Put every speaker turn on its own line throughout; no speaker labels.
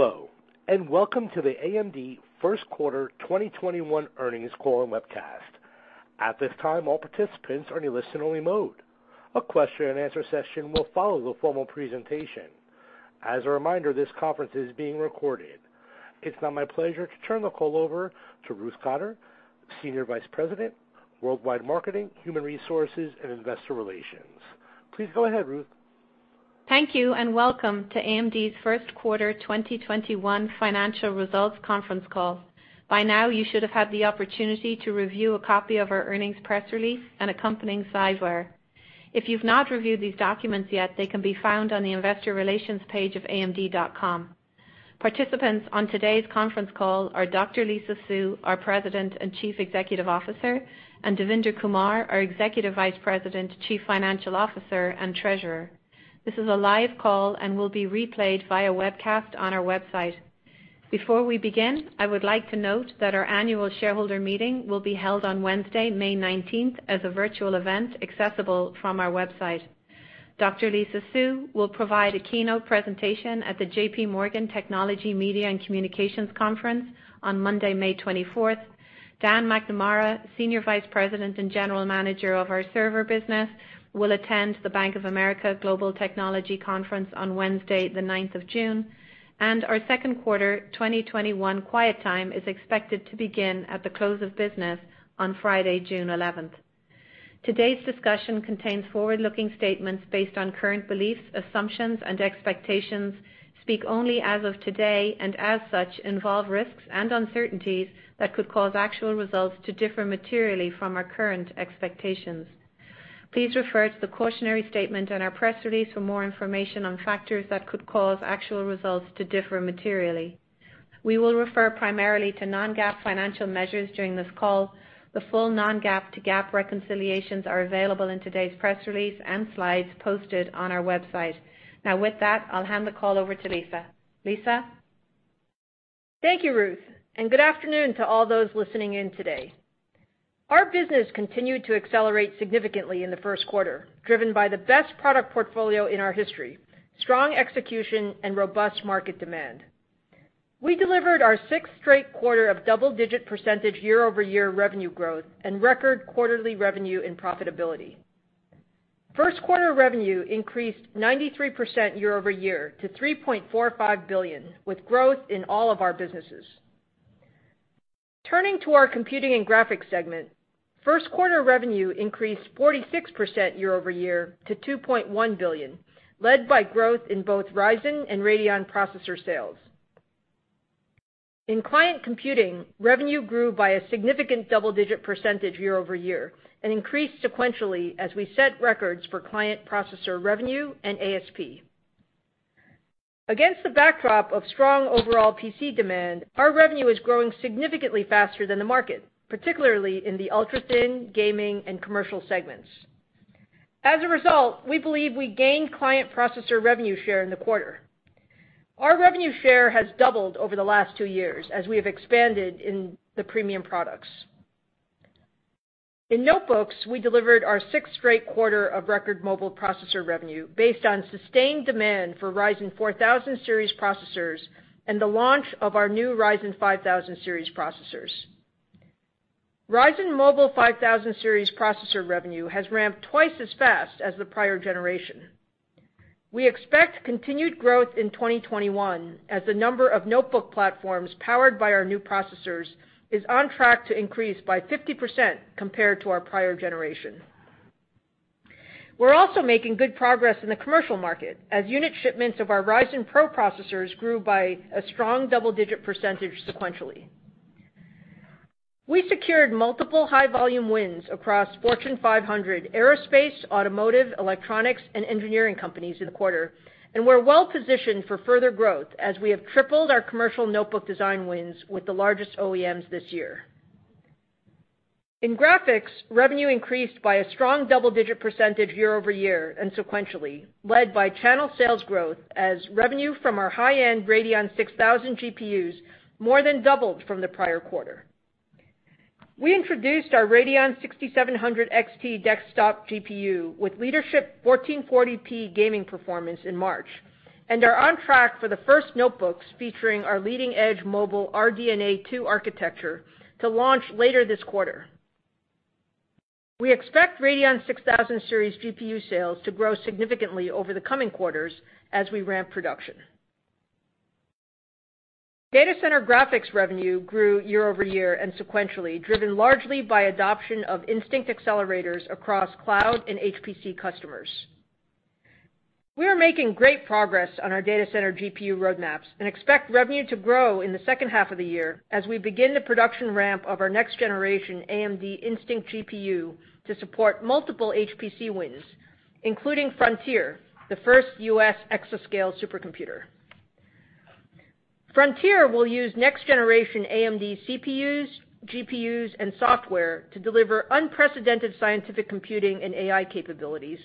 Hello, and welcome to the AMD first quarter 2021 earnings call and webcast. At this time, all participants are in listen only mode. A question and answer session will follow the formal presentation. As a reminder, this conference is being recorded. It's now my pleasure to turn the call over to Ruth Cotter, Senior Vice President, Worldwide Marketing, Human Resources, and Investor Relations. Please go ahead, Ruth.
Thank you, and welcome to AMD's first quarter 2021 financial results conference call. By now, you should have had the opportunity to review a copy of our earnings press release and accompanying slides. If you've not reviewed these documents yet, they can be found on the investor relations page of amd.com. Participants on today's conference call are Dr. Lisa Su, our President and Chief Executive Officer, and Devinder Kumar, our Executive Vice President, Chief Financial Officer, and Treasurer. This is a live call and will be replayed via webcast on our website. Before we begin, I would like to note that our annual shareholder meeting will be held on Wednesday, May 19th, as a virtual event accessible from our website. Dr. Lisa Su will provide a keynote presentation at the JPMorgan Technology Media and Communications Conference on Monday, May 24th. Dan McNamara, Senior Vice President and General Manager of our server business, will attend the Bank of America Global Technology Conference on Wednesday, 9th June, and our second quarter 2021 quiet time is expected to begin at the close of business on Friday, June 11th. Today's discussion contains forward-looking statements based on current beliefs, assumptions, and expectations, speak only as of today, and as such, involve risks and uncertainties that could cause actual results to differ materially from our current expectations. Please refer to the cautionary statement in our press release for more information on factors that could cause actual results to differ materially. We will refer primarily to non-GAAP financial measures during this call. The full non-GAAP to GAAP reconciliations are available in today's press release and slides posted on our website. Now with that, I'll hand the call over to Lisa. Lisa?
Thank you, Ruth, and good afternoon to all those listening in today. Our business continued to accelerate significantly in the first quarter, driven by the best product portfolio in our history, strong execution, and robust market demand. We delivered our sixth straight quarter of double-digit percentage year-over-year revenue growth and record quarterly revenue and profitability. First quarter revenue increased 93% year-over-year to $3.45 billion, with growth in all of our businesses. Turning to our Computing and Graphics segment, first quarter revenue increased 46% year-over-year to $2.1 billion, led by growth in both Ryzen and Radeon processor sales. In client computing, revenue grew by a significant double-digit percentage year-over-year and increased sequentially as we set records for client processor revenue and ASP. Against the backdrop of strong overall PC demand, our revenue is growing significantly faster than the market, particularly in the ultra-thin, gaming, and commercial segments. As a result, we believe we gained client processor revenue share in the quarter. Our revenue share has doubled over the last two years as we have expanded in the premium products. In notebooks, we delivered our sixth straight quarter of record mobile processor revenue based on sustained demand for Ryzen 4000 series processors and the launch of our new Ryzen 5000 series processors. Ryzen Mobile 5000 series processor revenue has ramped twice as fast as the prior generation. We expect continued growth in 2021 as the number of notebook platforms powered by our new processors is on track to increase by 50% compared to our prior generation. We're also making good progress in the commercial market, as unit shipments of our Ryzen PRO processors grew by a strong double-digit percentage sequentially. We secured multiple high volume wins across Fortune 500 aerospace, automotive, electronics, and engineering companies in the quarter, and we're well positioned for further growth as we have tripled our commercial notebook design wins with the largest OEMs this year. In graphics, revenue increased by a strong double-digit percentage year-over-year and sequentially, led by channel sales growth as revenue from our high-end Radeon 6000 GPUs more than doubled from the prior quarter. We introduced our Radeon 6700 XT desktop GPU with leadership 1440p gaming performance in March and are on track for the first notebooks featuring our leading-edge mobile RDNA 2 architecture to launch later this quarter. We expect Radeon 6000 series GPU sales to grow significantly over the coming quarters as we ramp production. Data center graphics revenue grew year-over-year and sequentially, driven largely by adoption of Instinct accelerators across cloud and HPC customers. We are making great progress on our data center GPU roadmaps and expect revenue to grow in the second half of the year as we begin the production ramp of our next generation AMD Instinct GPU to support multiple HPC wins, including Frontier, the first U.S. exascale supercomputer. Frontier will use next generation AMD CPUs, GPUs, and software to deliver unprecedented scientific computing and AI capabilities,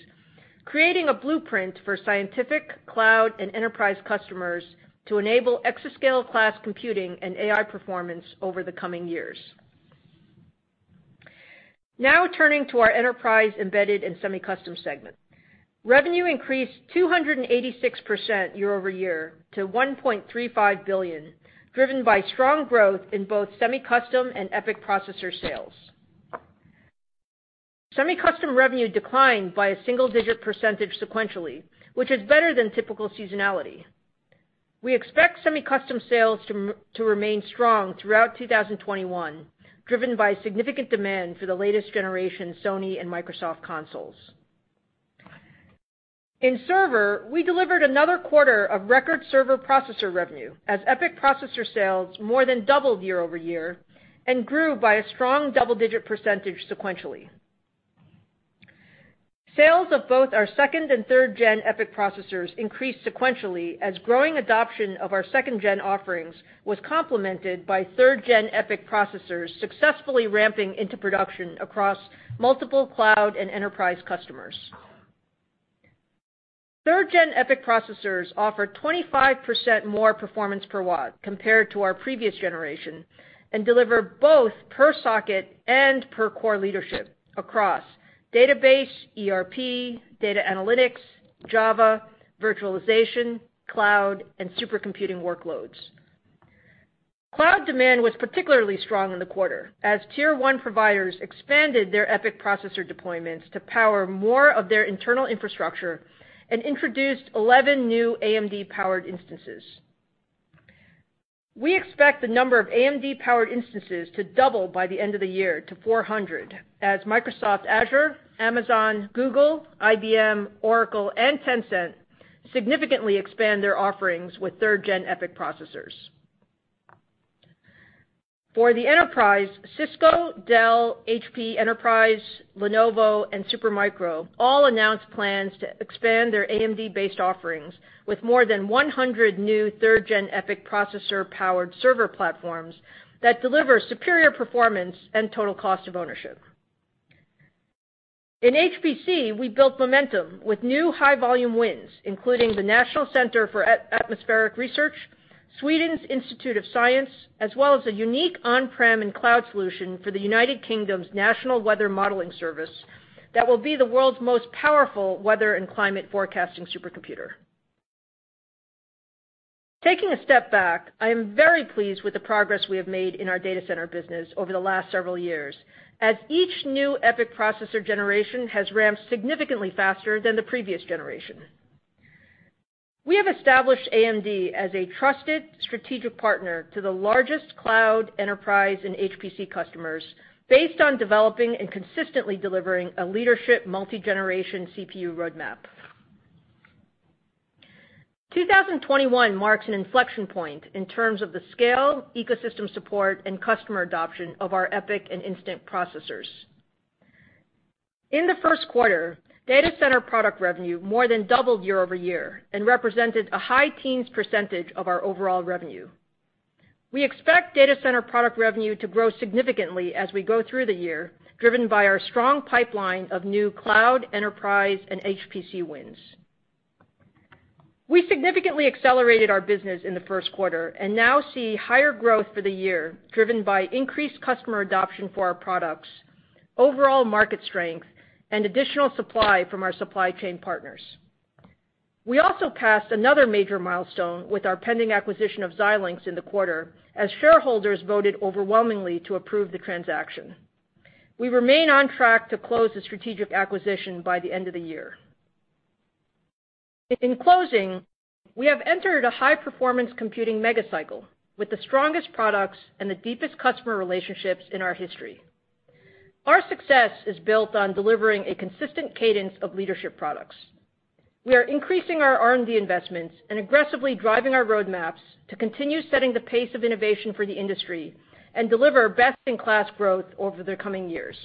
creating a blueprint for scientific, cloud, and enterprise customers to enable exascale class computing and AI performance over the coming years. Turning to our Enterprise, Embedded, and Semi-Custom segment. Revenue increased 286% year-over-year to $1.35 billion, driven by strong growth in both semi-custom and EPYC processor sales. Semi-custom revenue declined by a single-digit percentage sequentially, which is better than typical seasonality. We expect semi-custom sales to remain strong throughout 2021, driven by significant demand for the latest generation Sony and Microsoft consoles. In server, we delivered another quarter of record server processor revenue, as EPYC processor sales more than doubled year-over-year and grew by a strong double-digit percentage sequentially. Sales of both our second and third gen EPYC processors increased sequentially as growing adoption of our second gen offerings was complemented by third gen EPYC processors successfully ramping into production across multiple cloud and enterprise customers. Third-gen EPYC processors offer 25% more performance per watt compared to our previous generation and deliver both per-socket and per-core leadership across database, ERP, data analytics, Java, virtualization, cloud, and supercomputing workloads. Cloud demand was particularly strong in the quarter as tier 1 providers expanded their EPYC processor deployments to power more of their internal infrastructure and introduced 11 new AMD-powered instances. We expect the number of AMD-powered instances to double by the end of the year to 400 as Microsoft Azure, Amazon, Google, IBM, Oracle, and Tencent significantly expand their offerings with third-gen EPYC processors. For the enterprise, Cisco, Dell, HP Enterprise, Lenovo, and Supermicro all announced plans to expand their AMD-based offerings with more than 100 new third-gen EPYC processor-powered server platforms that deliver superior performance and total cost of ownership. In HPC, we built momentum with new high-volume wins, including the National Center for Atmospheric Research, Sweden's Institute of Science, as well as a unique on-prem and cloud solution for the U.K.'s National Weather Modeling service that will be the world's most powerful weather and climate forecasting supercomputer. Taking a step back, I am very pleased with the progress we have made in our data center business over the last several years, as each new EPYC processor generation has ramped significantly faster than the previous generation. We have established AMD as a trusted strategic partner to the largest cloud enterprise and HPC customers based on developing and consistently delivering a leadership multi-generation CPU roadmap. 2021 marks an inflection point in terms of the scale, ecosystem support, and customer adoption of our EPYC and Instinct processors. In the first quarter, data center product revenue more than doubled year-over-year and represented a high teens percentage of our overall revenue. We expect data center product revenue to grow significantly as we go through the year, driven by our strong pipeline of new cloud enterprise and HPC wins. We significantly accelerated our business in the first quarter and now see higher growth for the year driven by increased customer adoption for our products, overall market strength, and additional supply from our supply chain partners. We also passed another major milestone with our pending acquisition of Xilinx in the quarter, as shareholders voted overwhelmingly to approve the transaction. We remain on track to close the strategic acquisition by the end of the year. In closing, we have entered a high-performance computing mega cycle with the strongest products and the deepest customer relationships in our history. Our success is built on delivering a consistent cadence of leadership products. We are increasing our R&D investments and aggressively driving our roadmaps to continue setting the pace of innovation for the industry and deliver best-in-class growth over the coming years.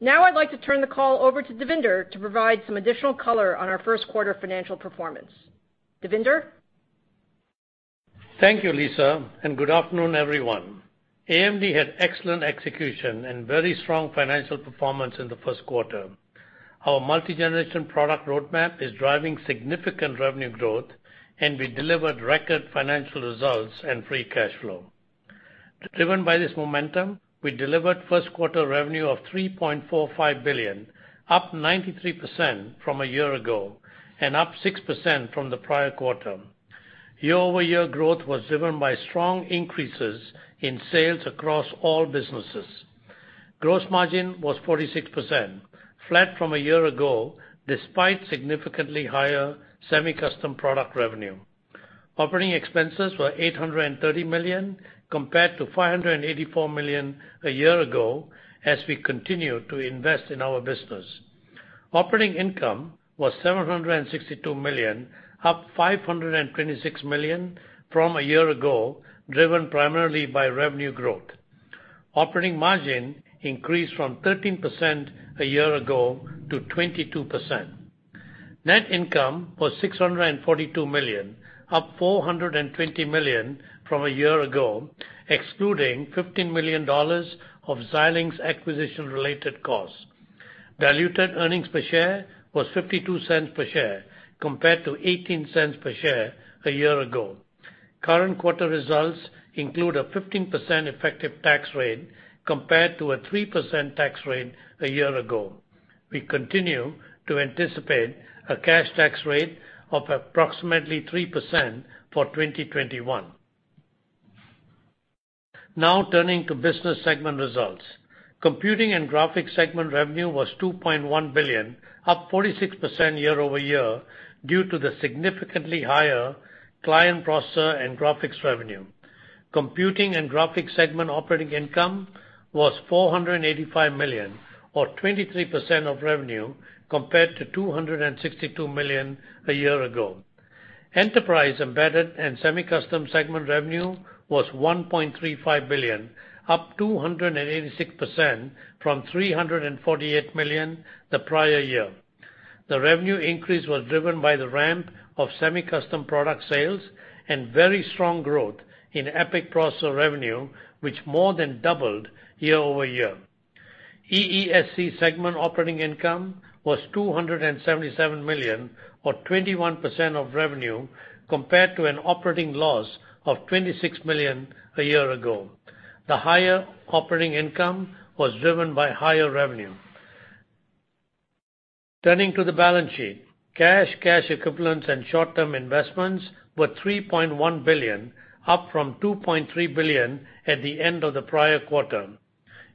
Now I'd like to turn the call over to Devinder to provide some additional color on our first quarter financial performance. Devinder?
Thank you, Lisa. Good afternoon, everyone. AMD had excellent execution and very strong financial performance in the first quarter. Our multi-generation product roadmap is driving significant revenue growth, we delivered record financial results and free cash flow. Driven by this momentum, we delivered first-quarter revenue of $3.45 billion, up 93% from a year ago and up 6% from the prior quarter. Year-over-year growth was driven by strong increases in sales across all businesses. Gross margin was 46%, flat from a year ago, despite significantly higher semi-custom product revenue. Operating expenses were $830 million compared to $584 million a year ago as we continued to invest in our business. Operating income was $762 million, up $526 million from a year ago, driven primarily by revenue growth. Operating margin increased from 13% a year ago to 22%. Net income was $642 million, up $420 million from a year ago, excluding $15 million of Xilinx acquisition-related costs. Diluted earnings per share was $0.52 per share compared to $0.18 per share a year ago. Current quarter results include a 15% effective tax rate compared to a 3% tax rate a year ago. We continue to anticipate a cash tax rate of approximately 3% for 2021. Now turning to business segment results. Computing and Graphics segment revenue was $2.1 billion, up 46% year-over-year due to the significantly higher client processor and graphics revenue. Computing and Graphics segment operating income was $485 million, or 23% of revenue, compared to $262 million a year ago. Enterprise, Embedded and Semi-Custom segment revenue was $1.35 billion, up 286% from $348 million the prior year. The revenue increase was driven by the ramp of semi-custom product sales and very strong growth in EPYC processor revenue, which more than doubled year-over-year. EESC segment operating income was $277 million, or 21% of revenue, compared to an operating loss of $26 million a year ago. The higher operating income was driven by higher revenue. Turning to the balance sheet, cash equivalents, and short-term investments were $3.1 billion, up from $2.3 billion at the end of the prior quarter.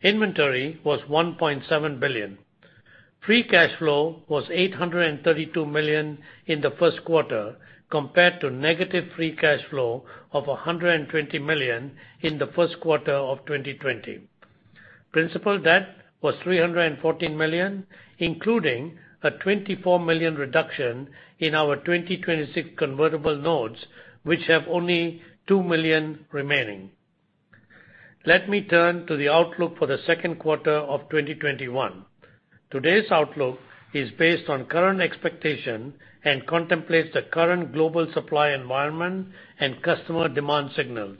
Inventory was $1.7 billion. Free cash flow was $832 million in the first quarter, compared to negative free cash flow of $120 million in the first quarter of 2020. Principal debt was $314 million, including a $24 million reduction in our 2026 Convertible Notes, which have only $2 million remaining. Let me turn to the outlook for the second quarter of 2021. Today's outlook is based on current expectation and contemplates the current global supply environment and customer demand signals.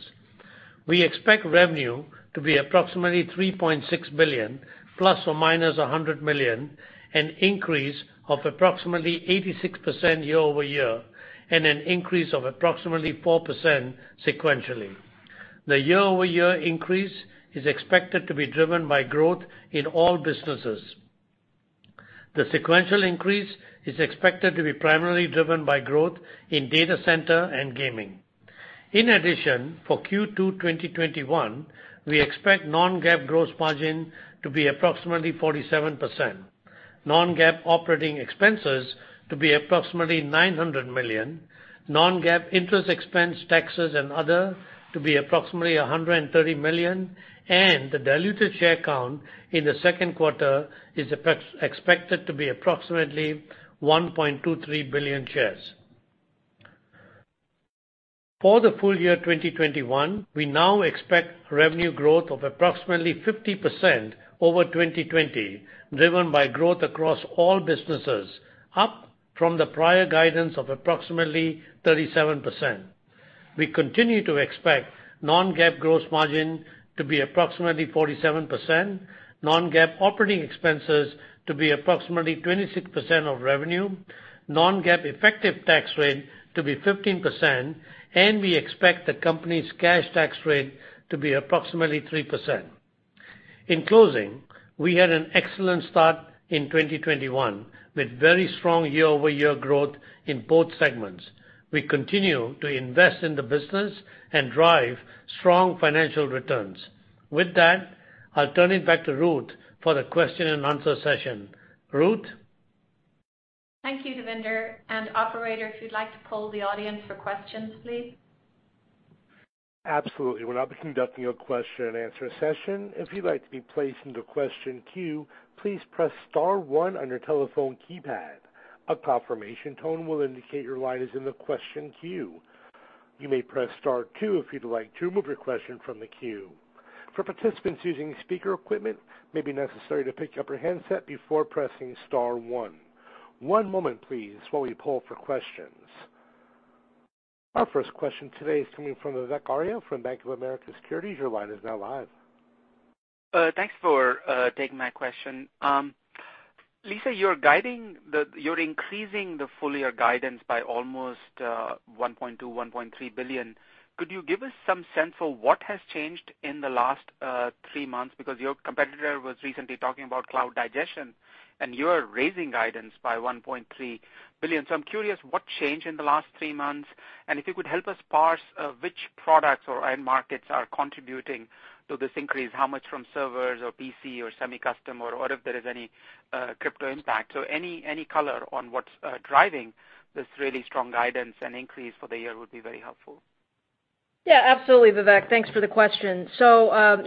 We expect revenue to be approximately $3.6 billion ±$100 million, an increase of approximately 86% year-over-year, and an increase of approximately 4% sequentially. The year-over-year increase is expected to be driven by growth in all businesses. The sequential increase is expected to be primarily driven by growth in data center and gaming. In addition, for Q2 2021, we expect non-GAAP gross margin to be approximately 47%, non-GAAP operating expenses to be approximately $900 million, non-GAAP interest expense taxes and other to be approximately $130 million, and the diluted share count in the second quarter is expected to be approximately 1.23 billion shares. For the full-year 2021, we now expect revenue growth of approximately 50% over 2020, driven by growth across all businesses, up from the prior guidance of approximately 37%. We continue to expect non-GAAP gross margin to be approximately 47%, non-GAAP operating expenses to be approximately 26% of revenue, non-GAAP effective tax rate to be 15%, and we expect the company's cash tax rate to be approximately 3%. In closing, we had an excellent start in 2021, with very strong year-over-year growth in both segments. We continue to invest in the business and drive strong financial returns. With that, I'll turn it back to Ruth for the question and answer session. Ruth?
Thank you, Devinder. Operator, if you'd like to poll the audience for questions, please.
Absolutely. We'll now be conducting a question-and-answer session. If you'd like to be placed into the question queue, please press star one on your telephone keypad. A confirmation tone will indicate your line is in the question queue. You may press star two if you'd like to remove your question from the queue. For participants using speaker equipment, it may be necessary to pick up your handset before pressing star one. One moment please while we poll for questions. Our first question today is coming from Vivek Arya from Bank of America Securities. Your line is now live.
Thanks for taking my question. Lisa, you're increasing the full-year guidance by almost $1.2 billion-$1.3 billion. Could you give us some sense of what has changed in the last three months? Your competitor was recently talking about cloud digestion, and you're raising guidance by $1.3 billion. I'm curious what changed in the last three months, and if you could help us parse which products or end markets are contributing to this increase, how much from servers, or PC, or semi-custom, or if there is any crypto impact. Any color on what's driving this really strong guidance and increase for the year would be very helpful.
Yeah, absolutely, Vivek. Thanks for the question.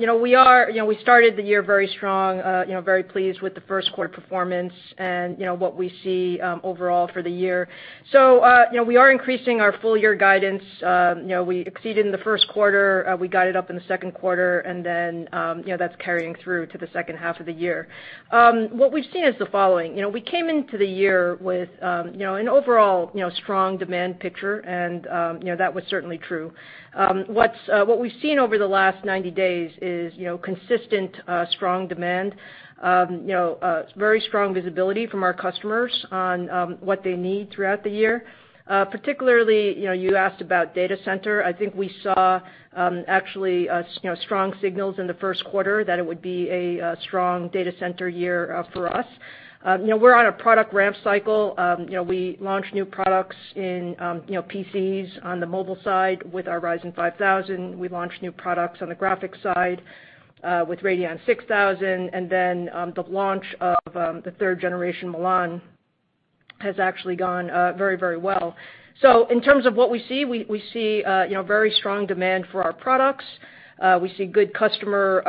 We started the year very strong, very pleased with the first quarter performance and what we see overall for the year. We are increasing our full-year guidance. We exceeded in the first quarter, we guided up in the second quarter, and then that's carrying through to the second half of the year. What we've seen is the following: we came into the year with an overall strong demand picture, and that was certainly true. What we've seen over the last 90 days is consistent, strong demand. Very strong visibility from our customers on what they need throughout the year. Particularly, you asked about data center. I think we saw actually, strong signals in the first quarter that it would be a strong data center year for us. We're on a product ramp cycle. We launched new products in PCs on the mobile side with our Ryzen 5000. We launched new products on the graphics side with Radeon 6000, the launch of the third-generation Milan has actually gone very, very well. In terms of what we see, we see very strong demand for our products. We see good customer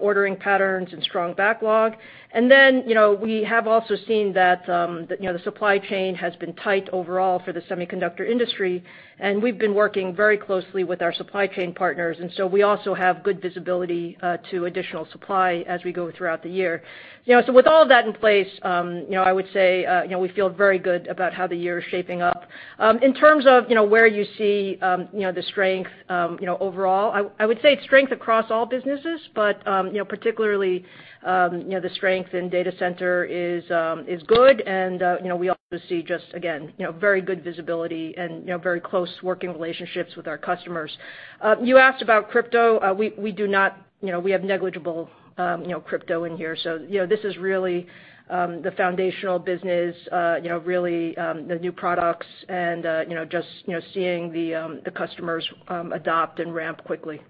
ordering patterns and strong backlog. We have also seen that the supply chain has been tight overall for the semiconductor industry, and we've been working very closely with our supply chain partners. We also have good visibility to additional supply as we go throughout the year. With all of that in place, I would say, we feel very good about how the year is shaping up. In terms of where you see the strength overall, I would say it's strength across all businesses, but particularly, the strength in data center is good and we also see just, again, very good visibility and very close working relationships with our customers. You asked about crypto. We have negligible crypto in here, so this is really the foundational business, really the new products and just seeing the customers adopt and ramp quickly.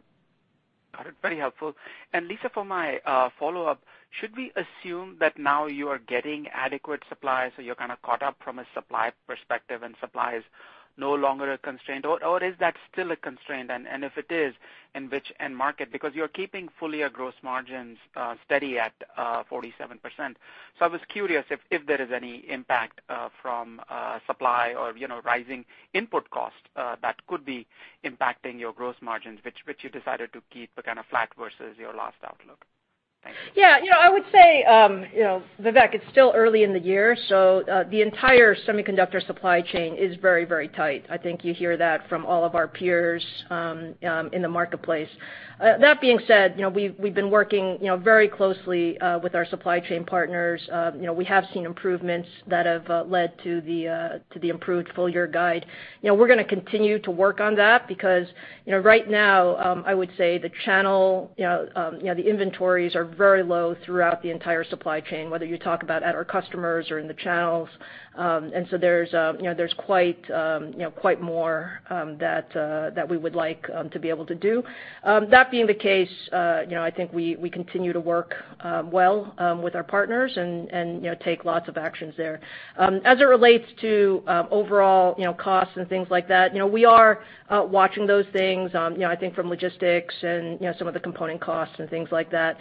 Got it. Very helpful. Lisa, for my follow-up, should we assume that now you are getting adequate supply, so you're kind of caught up from a supply perspective and supply is no longer a constraint, or is that still a constraint? And if it is, in which end market? You're keeping full-year gross margins steady at 47%. So I was curious if there is any impact from supply or rising input cost that could be impacting your gross margins, which you decided to keep but kind of flat versus your last outlook. Thanks.
Yeah. I would say, Vivek, it's still early in the year, the entire semiconductor supply chain is very, very tight. I think you hear that from all of our peers in the marketplace. That being said, we've been working very closely with our supply chain partners. We have seen improvements that have led to the improved full-year guide. We're going to continue to work on that because, right now, I would say the channel, the inventories are very low throughout the entire supply chain, whether you talk about at our customers or in the channels. There's quite more that we would like to be able to do. That being the case, I think we continue to work well with our partners and take lots of actions there. As it relates to overall costs and things like that, we are watching those things, I think from logistics and some of the component costs and things like that.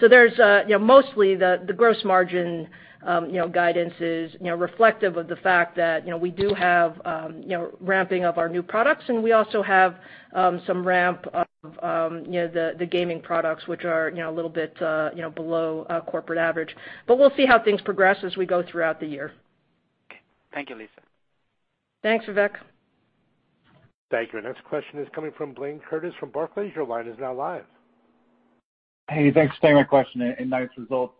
There's mostly the gross margin guidance is reflective of the fact that we do have ramping of our new products, and we also have some ramp of the gaming products, which are a little bit below corporate average. We'll see how things progress as we go throughout the year.
Okay. Thank you, Lisa.
Thanks, Vivek.
Thank you. Our next question is coming from Blayne Curtis from Barclays. Your line is now live.
Thanks for taking my question, nice results.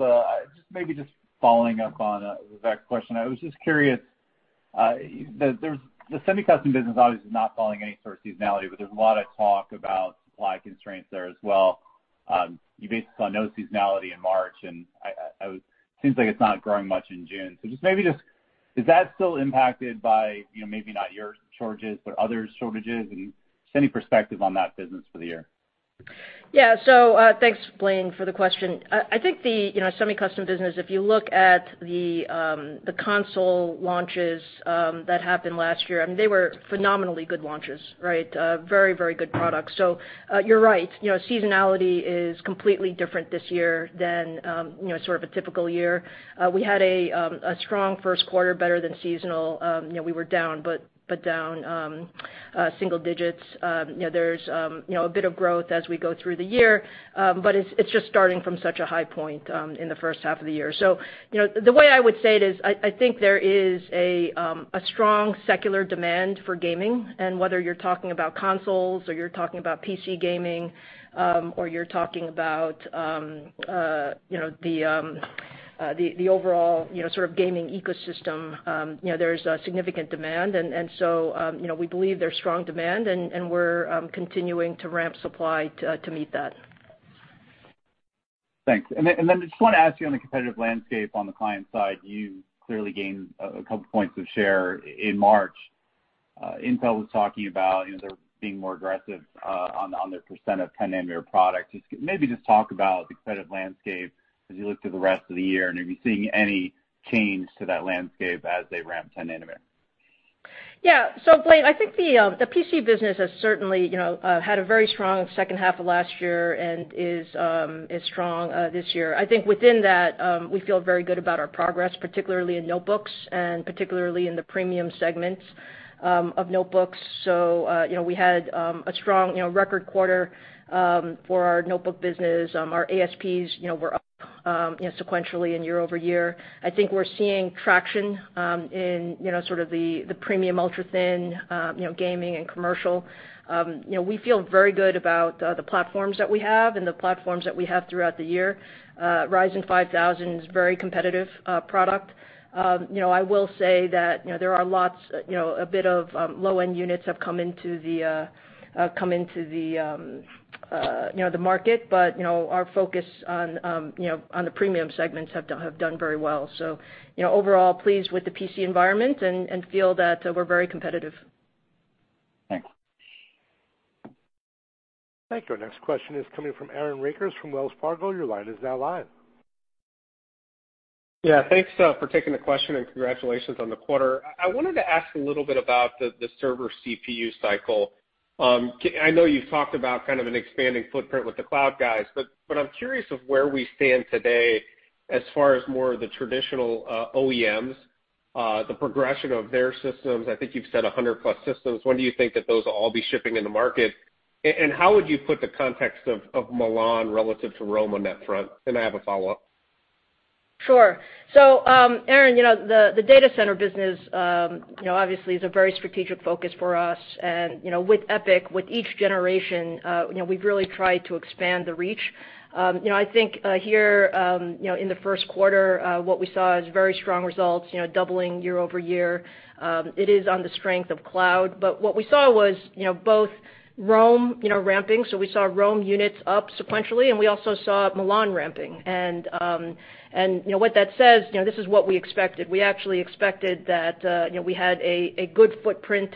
Maybe just following up on Vivek's question, I was just curious. The semi-custom business obviously is not following any sort of seasonality, but there's a lot of talk about supply constraints there as well. You basically saw no seasonality in March, seems like it's not growing much in June. Just maybe, is that still impacted by maybe not your shortages, but others' shortages, and just any perspective on that business for the year?
Yeah. Thanks, Blayne, for the question. I think the semi-custom business, if you look at the console launches that happened last year, I mean, they were phenomenally good launches, right? Very, very good products. You're right. Seasonality is completely different this year than sort of a typical year. We had a strong first quarter, better than seasonal. We were down, but down single digits. There's a bit of growth as we go through the year. It's just starting from such a high point in the first half of the year. The way I would say it is, I think there is a strong secular demand for gaming, and whether you're talking about consoles or you're talking about PC gaming, or you're talking about the overall sort of gaming ecosystem, there's a significant demand. We believe there's strong demand, and we're continuing to ramp supply to meet that.
Thanks. I just want to ask you on the competitive landscape on the client side. You clearly gained a couple points of share in March. Intel was talking about they're being more aggressive on the percent of 10-nanometer product. Maybe just talk about the competitive landscape as you look to the rest of the year, are you seeing any change to that landscape as they ramp 10-nanometer?
Yeah. Blayne, I think the PC business has certainly had a very strong second half of last year and is strong this year. I think within that, we feel very good about our progress, particularly in notebooks and particularly in the premium segments of notebooks. We had a strong record quarter for our notebook business. Our ASPs were up sequentially and year-over-year. I think we're seeing traction in sort of the premium ultrathin, gaming and commercial. We feel very good about the platforms that we have and the platforms that we have throughout the year. Ryzen 5000 is a very competitive product. I will say that there are a bit of low-end units have come into the market, our focus on the premium segments have done very well. Overall pleased with the PC environment and feel that we're very competitive.
Thanks.
Thank you. Our next question is coming from Aaron Rakers from Wells Fargo. Your line is now live.
Yeah, thanks for taking the question, and congratulations on the quarter. I wanted to ask a little bit about the server CPU cycle. I know you've talked about kind of an expanding footprint with the cloud guys, but I'm curious of where we stand today as far as more of the traditional OEMs, the progression of their systems. I think you've said 100 plus systems. When do you think that those will all be shipping in the market? How would you put the context of Milan relative to Rome on that front? I have a follow-up.
Sure. Aaron, the data center business, obviously, is a very strategic focus for us. With EPYC, with each generation, we've really tried to expand the reach. I think here, in the first quarter, what we saw is very strong results, doubling year-over-year. It is on the strength of cloud. What we saw was both Rome ramping, so we saw Rome units up sequentially, and we also saw Milan ramping. What that says, this is what we expected. We actually expected that we had a good footprint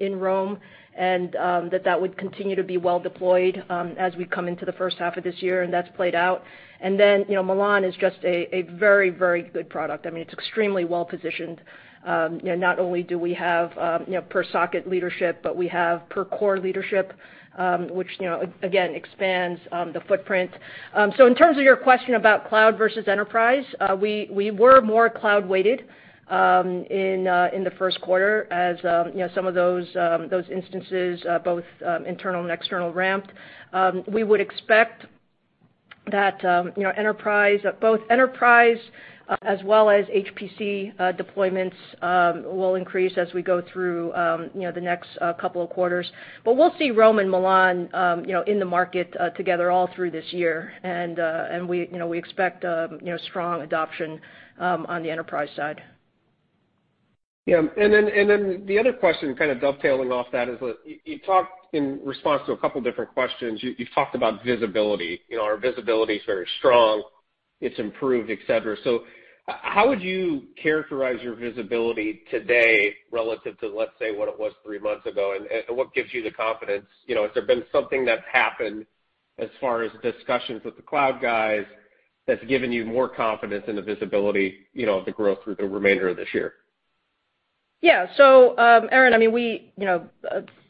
in Rome and that that would continue to be well deployed as we come into the first half of this year, and that's played out. Milan is just a very good product. I mean, it's extremely well-positioned. Not only do we have per-socket leadership, but we have per-core leadership, which again, expands the footprint. In terms of your question about cloud versus enterprise, we were more cloud-weighted in the first quarter as some of those instances, both internal and external ramped. We would expect that both enterprise as well as HPC deployments will increase as we go through the next couple of quarters. We'll see Rome and Milan in the market together all through this year. We expect strong adoption on the enterprise side.
Yeah. The other question kind of dovetailing off that is that you talked in response to a couple different questions, you've talked about visibility. Our visibility's very strong, it's improved, et cetera. How would you characterize your visibility today relative to, let's say, what it was three months ago? What gives you the confidence? Has there been something that's happened as far as discussions with the cloud guys that's given you more confidence in the visibility of the growth through the remainder of this year?
Yeah. Aaron,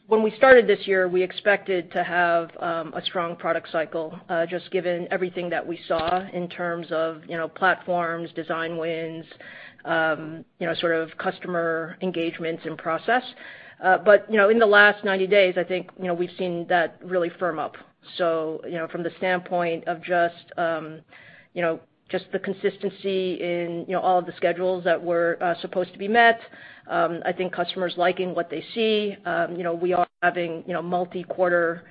when we started this year, we expected to have a strong product cycle, just given everything that we saw in terms of platforms, design wins, sort of customer engagements and process. In the last 90 days, I think we've seen that really firm up. From the standpoint of just the consistency in all of the schedules that were supposed to be met, I think customers liking what they see. We are having multi-quarter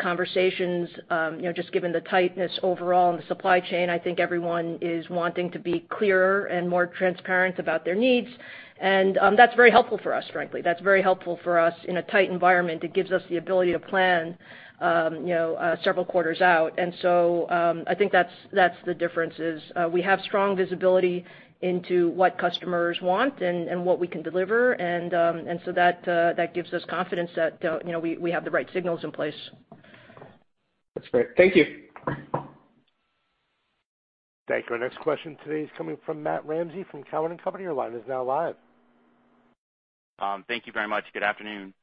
conversations, just given the tightness overall in the supply chain, I think everyone is wanting to be clearer and more transparent about their needs, and that's very helpful for us, frankly. That's very helpful for us in a tight environment. It gives us the ability to plan several quarters out. I think that's the difference is we have strong visibility into what customers want and what we can deliver, and so that gives us confidence that we have the right signals in place.
That's great. Thank you.
Thank you. Our next question today is coming from Matt Ramsay from Cowen & Co. Your line is now live.
Thank you very much. Good afternoon.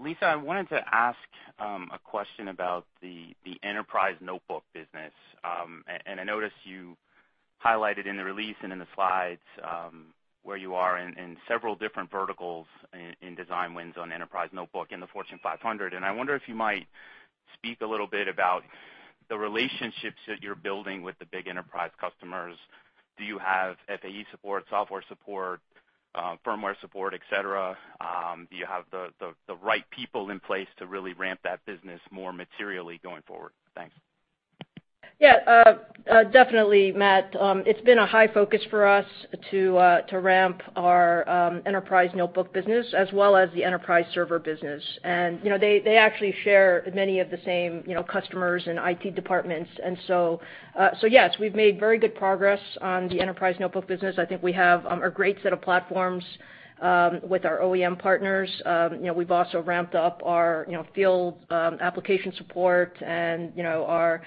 Lisa Su, I wanted to ask a question about the enterprise notebook business. I noticed you highlighted in the release and in the slides where you are in several different verticals in design wins on enterprise notebook in the Fortune 500. I wonder if you might speak a little bit about the relationships that you're building with the big enterprise customers. Do you have FAE support, software support, firmware support, et cetera? Do you have the right people in place to really ramp that business more materially going forward? Thanks.
Yeah. Definitely, Matt. It's been a high focus for us to ramp our enterprise notebook business as well as the enterprise server business. They actually share many of the same customers and IT departments. Yes, we've made very good progress on the enterprise notebook business. I think we have a great set of platforms with our OEM partners. We've also ramped up our field application support and our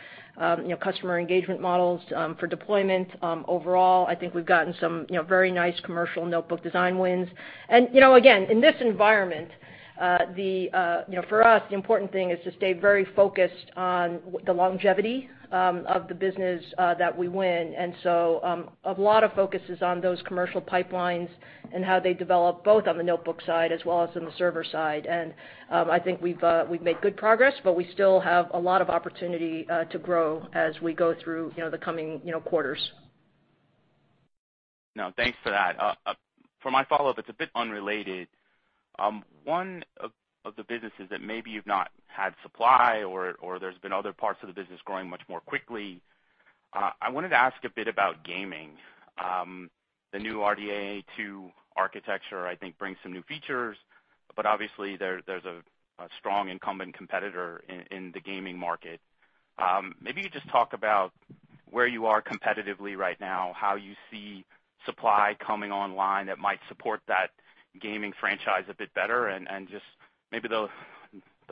customer engagement models for deployment. Overall, I think we've gotten some very nice commercial notebook design wins. Again, in this environment, for us, the important thing is to stay very focused on the longevity of the business that we win. A lot of focus is on those commercial pipelines and how they develop, both on the notebook side, as well as on the server side. I think we've made good progress, but we still have a lot of opportunity to grow as we go through the coming quarters.
No, thanks for that. For my follow-up, it's a bit unrelated. One of the businesses that maybe you've not had supply or there's been other parts of the business growing much more quickly, I wanted to ask a bit about gaming. The new RDNA 2 architecture, I think, brings some new features, obviously, there's a strong incumbent competitor in the gaming market. Maybe you just talk about where you are competitively right now, how you see supply coming online that might support that gaming franchise a bit better, and just maybe the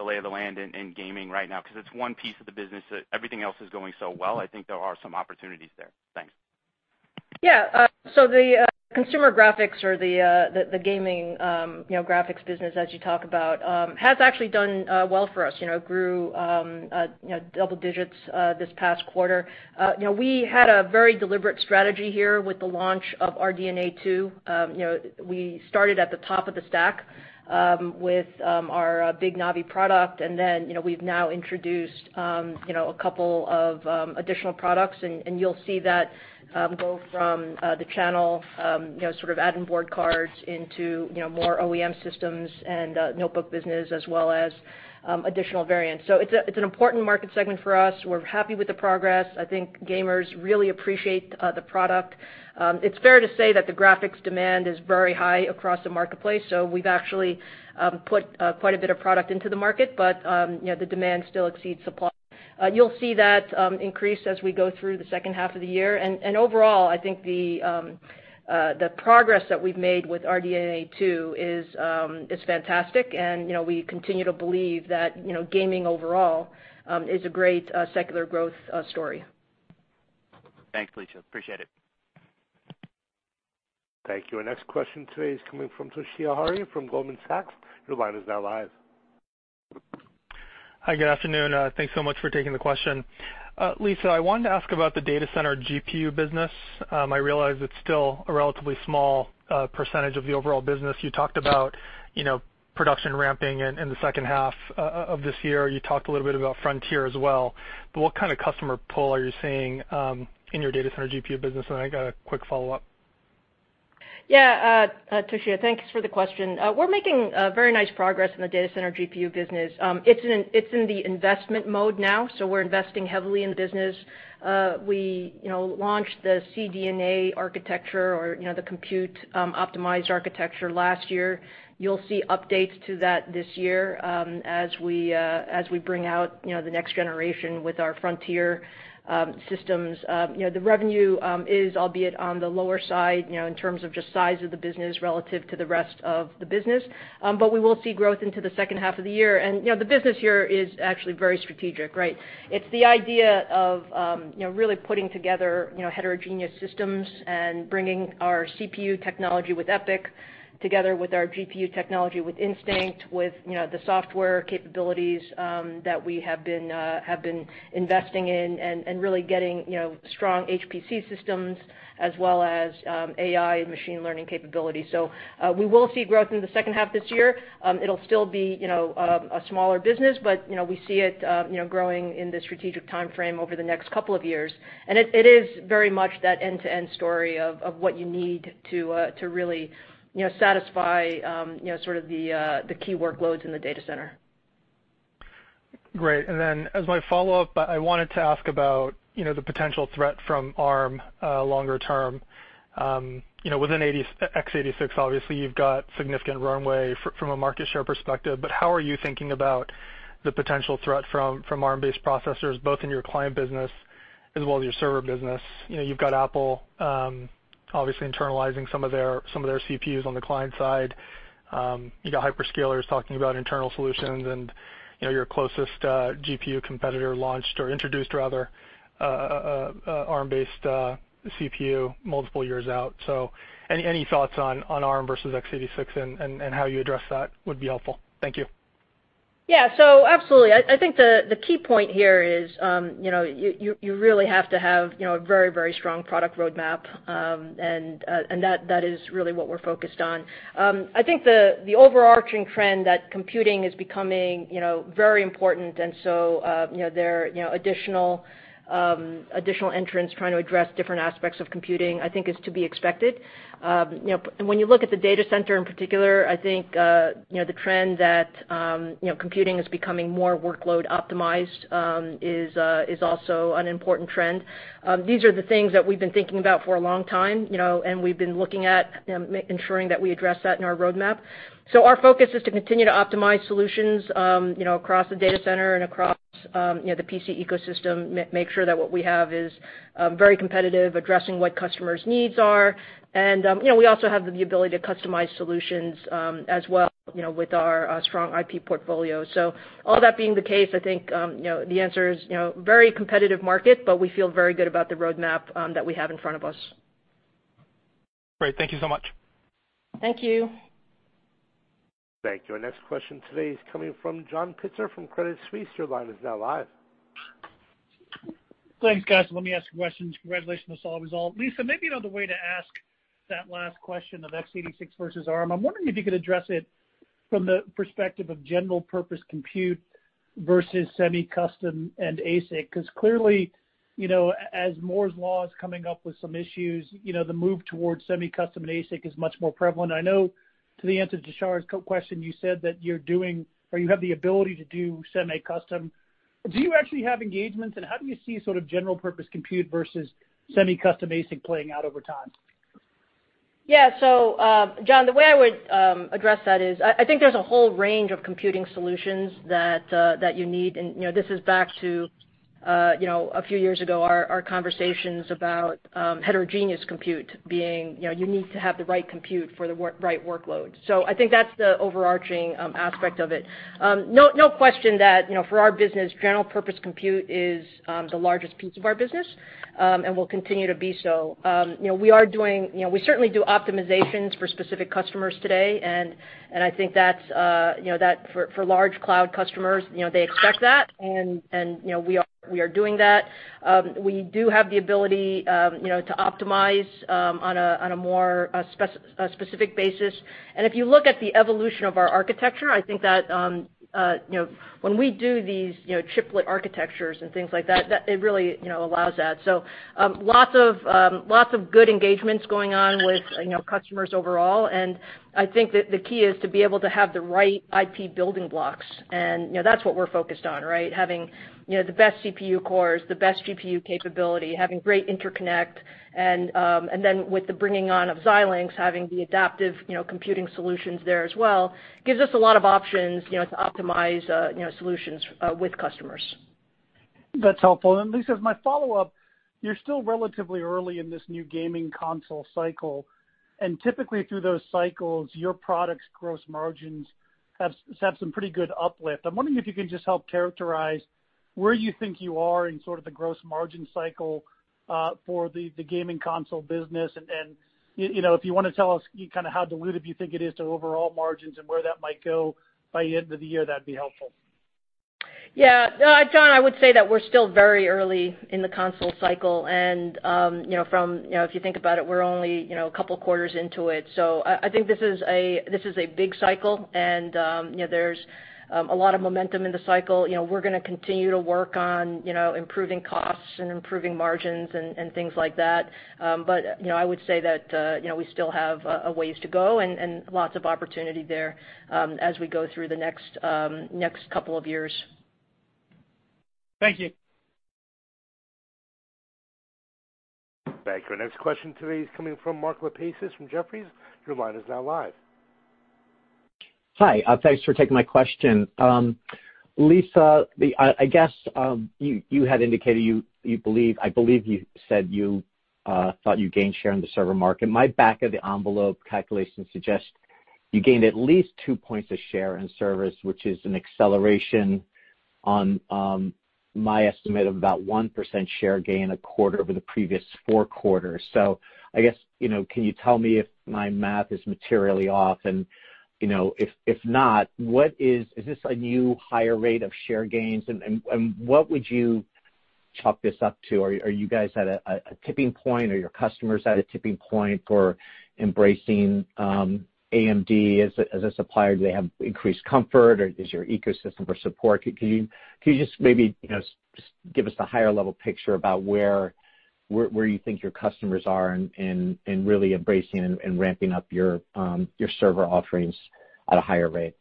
lay of the land in gaming right now, because it's one piece of the business that everything else is going so well. I think there are some opportunities there. Thanks.
The consumer graphics or the gaming graphics business as you talk about, has actually done well for us. It grew double digits this past quarter. We had a very deliberate strategy here with the launch of RDNA 2. We started at the top of the stack with our Big Navi product, and then we've now introduced a couple of additional products, and you'll see that go from the channel, sort of add-in board cards into more OEM systems and notebook business as well as additional variants. It's an important market segment for us. We're happy with the progress. I think gamers really appreciate the product. It's fair to say that the graphics demand is very high across the marketplace, so we've actually put quite a bit of product into the market, but the demand still exceeds supply. You'll see that increase as we go through the second half of the year. Overall, I think the progress that we've made with RDNA 2 is fantastic. We continue to believe that gaming overall is a great secular growth story.
Thanks, Lisa. Appreciate it.
Thank you. Our next question today is coming from Toshiya Hari from Goldman Sachs. Your line is now live.
Hi, good afternoon. Thanks so much for taking the question. Lisa, I wanted to ask about the data center GPU business. I realize it's still a relatively small percentage of the overall business. You talked about production ramping in the second half of this year. You talked a little bit about Frontier as well, but what kind of customer pull are you seeing in your data center GPU business? I got a quick follow-up.
Toshiya, thanks for the question. We're making very nice progress in the data center GPU business. It's in the investment mode now, we're investing heavily in the business. We launched the CDNA architecture or the compute optimized architecture last year. You'll see updates to that this year as we bring out the next generation with our Frontier systems. The revenue is albeit on the lower side, in terms of just size of the business relative to the rest of the business, we will see growth into the second half of the year. The business here is actually very strategic, right. It's the idea of really putting together heterogeneous systems and bringing our CPU technology with EPYC together with our GPU technology with Instinct, with the software capabilities that we have been investing in and really getting strong HPC systems as well as AI and machine learning capabilities. We will see growth in the second half this year. It'll still be a smaller business, but we see it growing in the strategic timeframe over the next couple of years. It is very much that end-to-end story of what you need to really satisfy sort of the key workloads in the data center.
Great. As my follow-up, I wanted to ask about the potential threat from Arm longer term. Within x86, obviously, you've got significant runway from a market share perspective, but how are you thinking about the potential threat from Arm-based processors, both in your client business as well as your server business? You've got Apple obviously internalizing some of their CPUs on the client side. You got hyperscalers talking about internal solutions, and your closest GPU competitor launched or introduced rather, Arm-based CPU multiple years out. Any thoughts on Arm versus x86 and how you address that would be helpful. Thank you.
Absolutely. I think the key point here is you really have to have a very strong product roadmap, and that is really what we're focused on. I think the overarching trend that computing is becoming very important, and so there are additional entrants trying to address different aspects of computing, I think is to be expected. When you look at the data center in particular, I think, the trend that computing is becoming more workload optimized, is also an important trend. These are the things that we've been thinking about for a long time, and we've been looking at ensuring that we address that in our roadmap. Our focus is to continue to optimize solutions, across the data center and across the PC ecosystem. Make sure that what we have is very competitive, addressing what customers' needs are. We also have the ability to customize solutions, as well, with our strong IP portfolio. All that being the case, I think, the answer is very competitive market, but we feel very good about the roadmap that we have in front of us.
Great. Thank you so much.
Thank you.
Thank you. Our next question today is coming from John Pitzer from Credit Suisse. Your line is now live.
Thanks, guys. Let me ask a question. Congratulations on the solid result. Lisa, maybe another way to ask that last question of x86 versus Arm, I'm wondering if you could address it from the perspective of general-purpose compute versus semi-custom and ASIC. Clearly, as Moore's Law is coming up with some issues, the move towards semi-custom and ASIC is much more prevalent. I know to the answer to Toshiya's question, you said that you're doing, or you have the ability to do semi-custom. Do you actually have engagements, and how do you see sort of general-purpose compute versus semi-custom ASIC playing out over time?
Yeah. John, the way I would address that is, I think there's a whole range of computing solutions that you need. This is back to a few years ago, our conversations about heterogeneous compute being, you need to have the right compute for the right workload. I think that's the overarching aspect of it. No question that, for our business, general-purpose compute is the largest piece of our business, and will continue to be so. We certainly do optimizations for specific customers today, and I think that for large cloud customers, they expect that, and we are doing that. We do have the ability to optimize on a more specific basis. If you look at the evolution of our architecture, I think that when we do these chiplet architectures and things like that, it really allows that. Lots of good engagements going on with customers overall. I think that the key is to be able to have the right IP building blocks, and that's what we're focused on, right? Having the best CPU cores, the best GPU capability, having great interconnect, and then with the bringing on of Xilinx, having the adaptive computing solutions there as well, gives us a lot of options to optimize solutions with customers.
That's helpful. Lisa, as my follow-up, you're still relatively early in this new gaming console cycle, and typically through those cycles, your product's gross margins have had some pretty good uplift. I'm wondering if you can just help characterize where you think you are in sort of the gross margin cycle for the gaming console business and if you want to tell us kind of how dilutive you think it is to overall margins and where that might go by the end of the year, that'd be helpful.
Yeah. John, I would say that we're still very early in the console cycle and if you think about it, we're only a couple of quarters into it. I think this is a big cycle and there's a lot of momentum in the cycle. We're gonna continue to work on improving costs and improving margins and things like that. I would say that we still have a ways to go and lots of opportunity there as we go through the next couple of years.
Thank you.
Thank you. Our next question today is coming from Mark Lipacis from Jefferies. Your line is now live.
Hi. Thanks for taking my question. Lisa, I guess, you had indicated you believe, I believe you said you thought you gained share in the server market. My back-of-the-envelope calculation suggests you gained at least two points of share in servers, which is an acceleration on my estimate of about 1% share gain a quarter over the previous four quarters. I guess, can you tell me if my math is materially off and, if not, is this a new higher rate of share gains, and what would you chalk this up to? Are you guys at a tipping point? Are your customers at a tipping point for embracing AMD as a supplier? Do they have increased comfort, or is your ecosystem for support? Can you just give us the higher level picture about where you think your customers are in really embracing and ramping up your server offerings at a higher rate?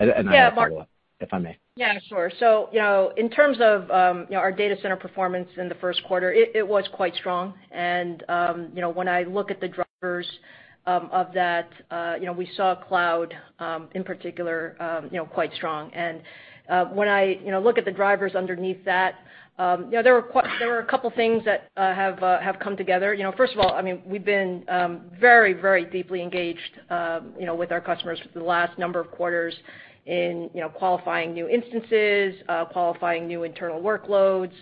I have a follow-up, if I may.
Yeah, sure. In terms of our data center performance in the first quarter, it was quite strong. When I look at the drivers of that, we saw cloud, in particular, quite strong. When I look at the drivers underneath that, there were a couple of things that have come together. First of all, we've been very deeply engaged with our customers for the last number of quarters in qualifying new instances, qualifying new internal workloads,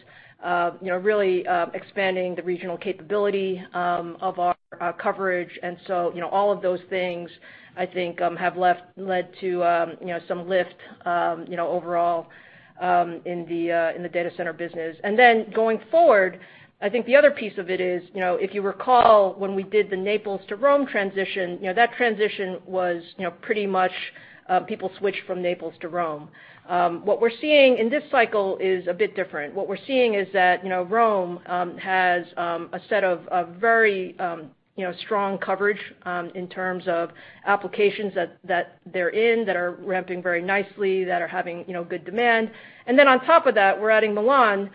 really expanding the regional capability of our coverage. All of those things, I think, have led to some lift overall in the data center business. Going forward, I think the other piece of it is, if you recall, when we did the Naples to Rome transition, that transition was pretty much people switched from Naples to Rome. What we're seeing in this cycle is a bit different. What we're seeing is that Rome has a set of very strong coverage in terms of applications that they're in, that are ramping very nicely, that are having good demand. On top of that, we're adding Milan,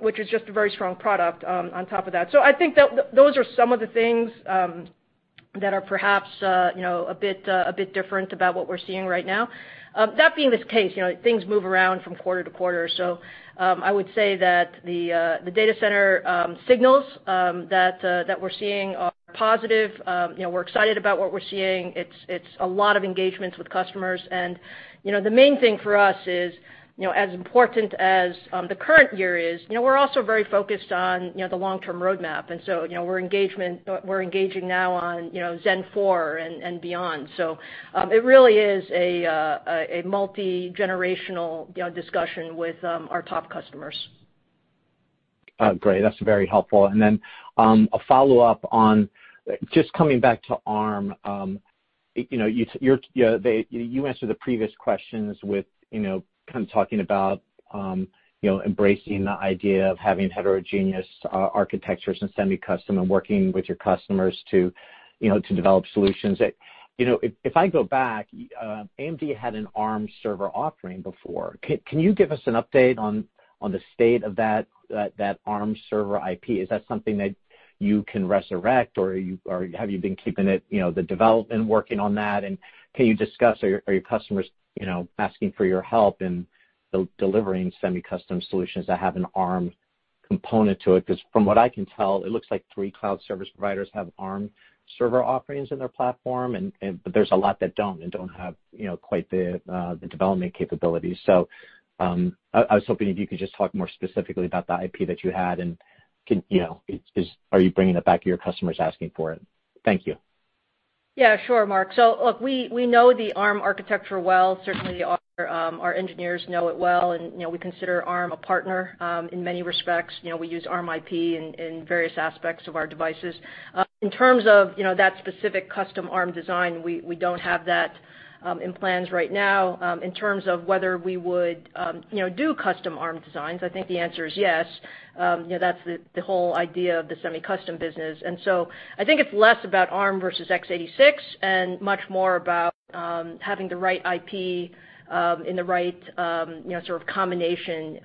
which is just a very strong product on top of that. I think that those are some of the things that are perhaps a bit different about what we're seeing right now. That being the case, things move around from quarter to quarter. I would say that the data center signals that we're seeing are positive. We're excited about what we're seeing. It's a lot of engagements with customers, and the main thing for us is, as important as the current year is, we're also very focused on the long-term roadmap. We're engaging now on Zen 4 and beyond. It really is a multi-generational discussion with our top customers.
Great. That's very helpful. A follow-up on just coming back to Arm. You answered the previous questions with talking about embracing the idea of having heterogeneous architectures and semi-custom and working with your customers to develop solutions. If I go back, AMD had an Arm server offering before. Can you give us an update on the state of that Arm server IP? Is that something that you can resurrect, or have you been keeping the development working on that, and can you discuss, are your customers asking for your help in delivering semi-custom solutions that have an Arm component to it? From what I can tell, it looks like three cloud service providers have Arm server offerings in their platform, but there's a lot that don't and don't have quite the development capabilities. I was hoping if you could just talk more specifically about the IP that you had, and are you bringing it back to your customers asking for it? Thank you.
Yeah. Sure, Mark. Look, we know the Arm architecture well. Certainly, our engineers know it well, and we consider Arm a partner in many respects. We use Arm IP in various aspects of our devices. In terms of that specific custom Arm design, we don't have that in plans right now. In terms of whether we would do custom Arm designs, I think the answer is yes. That's the whole idea of the semi-custom business. I think it's less about Arm versus x86, and much more about having the right IP, in the right sort of combination,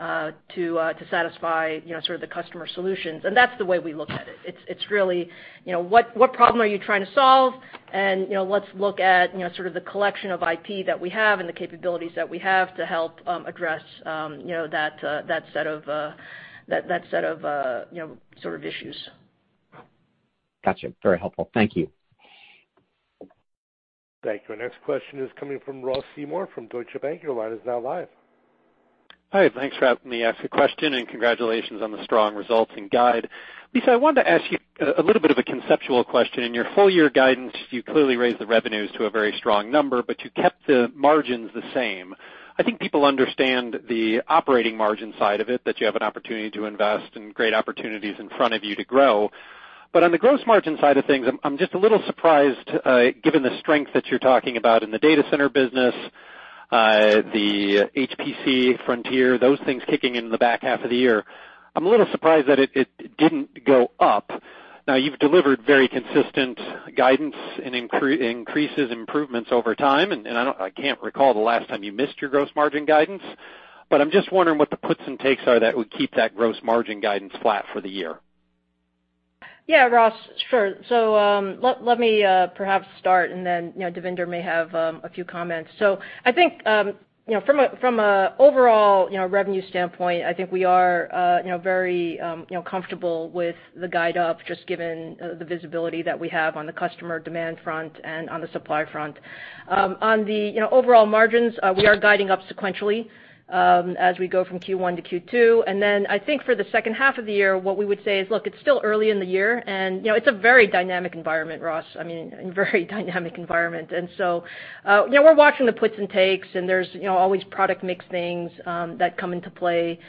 to satisfy sort of the customer solutions. That's the way we look at it. It's really, what problem are you trying to solve? Let's look at sort of the collection of IP that we have and the capabilities that we have to help address that set of sort of issues.
Got you. Very helpful. Thank you.
Thank you. Our next question is coming from Ross Seymore from Deutsche Bank. Your line is now live.
Hi, thanks for letting me ask a question, and congratulations on the strong results and guide. Lisa, I wanted to ask you a little bit of a conceptual question. In your full-year guidance, you clearly raised the revenues to a very strong number, but you kept the margins the same. I think people understand the operating margin side of it, that you have an opportunity to invest and great opportunities in front of you to grow. But on the gross margin side of things, I'm just a little surprised, given the strength that you're talking about in the data center business, the HPC Frontier, those things kicking in in the back half of the year. I'm a little surprised that it didn't go up. Now, you've delivered very consistent guidance and increases improvements over time. I can't recall the last time you missed your gross margin guidance. I'm just wondering what the puts and takes are that would keep that gross margin guidance flat for the year.
Yeah, Ross. Sure. Let me perhaps start and then Devinder may have a few comments. I think from an overall revenue standpoint, we are very comfortable with the guide up just given the visibility that we have on the customer demand front and on the supply front. On the overall margins, we are guiding up sequentially as we go from Q1 to Q2. I think for the second half of the year, what we would say is, look, it's still early in the year, and it's a very dynamic environment, Ross. I mean, a very dynamic environment. We're watching the puts and takes, and there's always product mix things that come into play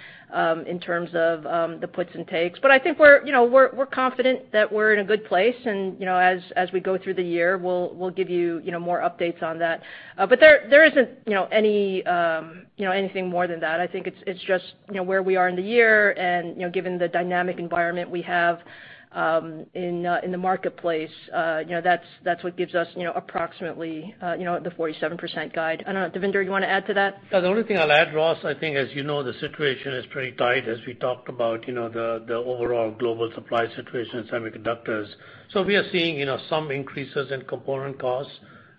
in terms of the puts and takes. I think we're confident that we're in a good place, and as we go through the year, we'll give you more updates on that. There isn't anything more than that. I think it's just where we are in the year, and given the dynamic environment we have in the marketplace, that's what gives us approximately the 47% guide. I don't know, Devinder, you want to add to that?
The only thing I'll add, Ross, I think, as you know, the situation is pretty tight as we talked about the overall global supply situation in semiconductors. We are seeing some increases in component costs.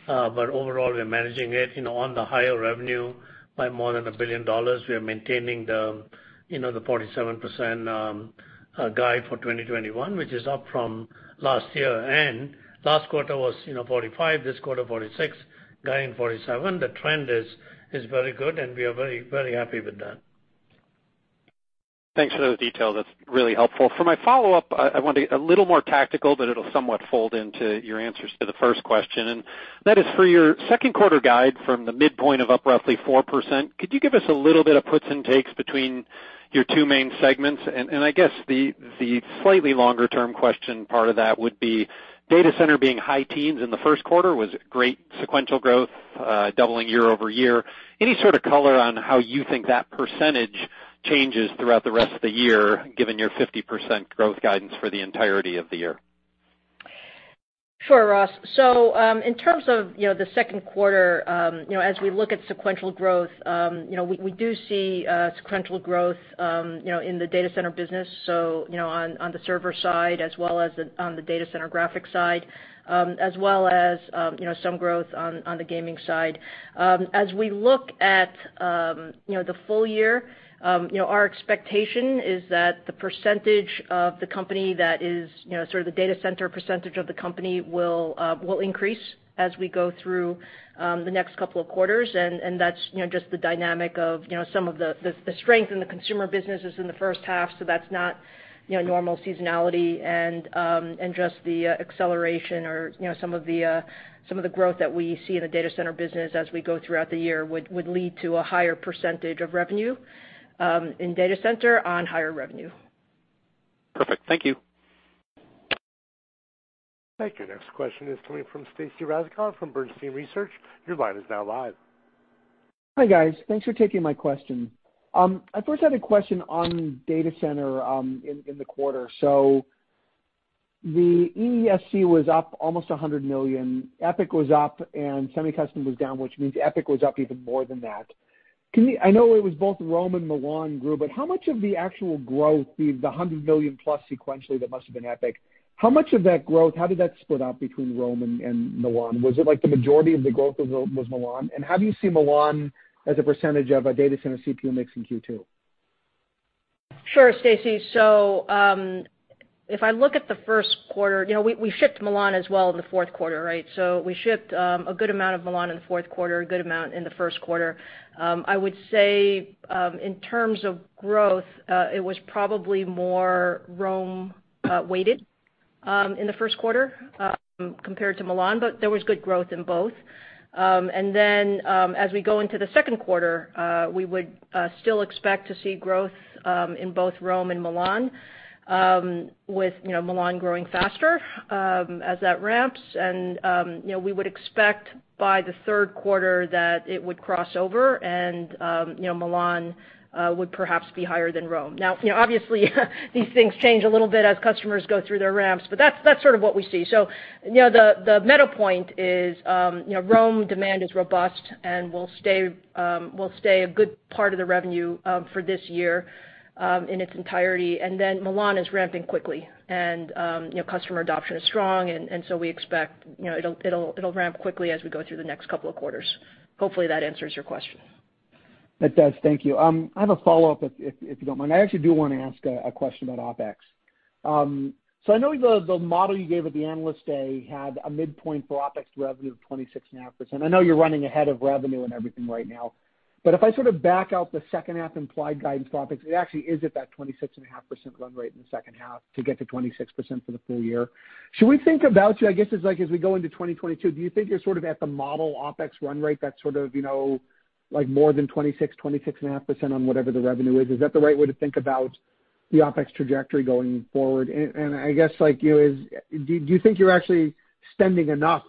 Overall, we are managing it on the higher revenue by more than $1 billion. We are maintaining the 47% guide for 2021, which is up from last year. Last quarter was 45%, this quarter 46%, guiding 47%. The trend is very good, and we are very happy with that.
Thanks for those details. That's really helpful. For my follow-up, I want to get a little more tactical, but it'll somewhat fold into your answers to the first question. That is for your second quarter guide from the midpoint of up roughly 4%, could you give us a little bit of puts and takes between your two main segments? I guess the slightly longer-term question part of that would be data center being high teens in the first quarter was great sequential growth, doubling year-over-year. Any sort of color on how you think that percentage changes throughout the rest of the year, given your 50% growth guidance for the entirety of the year?
Sure, Ross. In terms of the second quarter, as we look at sequential growth, we do see sequential growth in the data center business, on the server side, as well as on the data center graphic side, as well as some growth on the gaming side. As we look at the full-year, our expectation is that the percentage of the company that is sort of the data center percentage of the company will increase as we go through the next couple of quarters. That's just the dynamic of some of the strength in the consumer businesses in the first half, so that's not normal seasonality and just the acceleration or some of the growth that we see in the data center business as we go throughout the year would lead to a higher percentage of revenue in data center on higher revenue.
Perfect. Thank you.
Thank you. Next question is coming from Stacy Rasgon from Bernstein Research. Your line is now live.
Hi, guys. Thanks for taking my question. I first had a question on data center in the quarter. The EESC was up almost $100 million. EPYC was up and semi-custom was down, which means EPYC was up even more than that. I know it was both Rome and Milan grew, how much of the actual growth, the $100 million plus sequentially, that must have been EPYC, how much of that growth, how did that split up between Rome and Milan? Was it the majority of the growth was Milan? How do you see Milan as a percentage of a data center CPU mix in Q2?
Sure, Stacy. If I look at the first quarter, we shipped Milan as well in the fourth quarter. We shipped a good amount of Milan in the fourth quarter, a good amount in the first quarter. I would say, in terms of growth, it was probably more Rome-weighted in the first quarter compared to Milan, but there was good growth in both. As we go into the second quarter, we would still expect to see growth in both Rome and Milan, with Milan growing faster as that ramps. We would expect by the third quarter that it would cross over and Milan would perhaps be higher than Rome. Now, obviously, these things change a little bit as customers go through their ramps, but that's sort of what we see. The meta point is Rome demand is robust and will stay a good part of the revenue for this year in its entirety, and then Milan is ramping quickly, and customer adoption is strong, and so we expect it'll ramp quickly as we go through the next couple of quarters. Hopefully, that answers your question.
It does. Thank you. I have a follow-up, if you don't mind. I actually do want to ask a question about OpEx. I know the model you gave at the Analyst Day had a midpoint for OpEx revenue of 26.5%. I know you're running ahead of revenue and everything right now, but if I sort of back out the second half implied guidance OpEx, it actually is at that 26.5% run rate in the second half to get to 26% for the full-year. Should we think about you, I guess, as like, as we go into 2022, do you think you're sort of at the model OpEx run rate that's sort of more than 26%, 26.5% on whatever the revenue is? Is that the right way to think about the OpEx trajectory going forward? I guess, do you think you're actually spending enough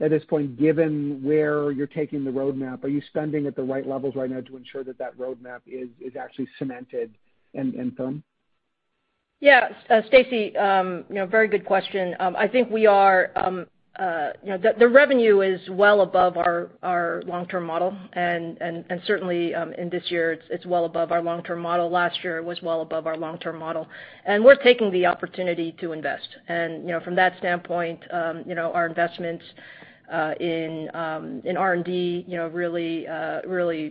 at this point, given where you're taking the roadmap? Are you spending at the right levels right now to ensure that roadmap is actually cemented and firm?
Yeah. Stacy, very good question. I think the revenue is well above our long-term model, and certainly, in this year, it's well above our long-term model. Last year, it was well above our long-term model. We're taking the opportunity to invest. From that standpoint, our investments in R&D really,